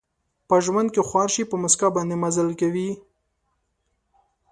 په ژوند کې خوار شي، په مسکا باندې مزلې کوي